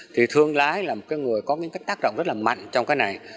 thì thương lái là một cái người có những cái tác động rất là mạnh trong cái này